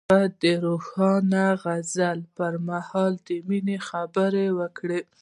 هغه د روښانه غزل پر مهال د مینې خبرې وکړې.